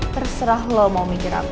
terserah lo mau mikir apa